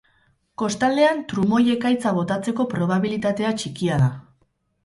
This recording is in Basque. Kostaldean trumoi-ekaitza botatzeko probabilitatea txikia da.